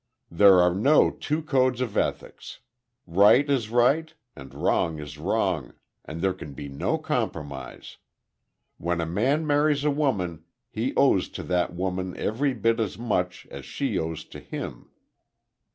There are no two codes of ethics. Right is right, and wrong is wrong; and there can be no compromise. When a man marries a woman, he owes to that woman every bit as much as she owes to him....